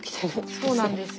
そうなんですよ。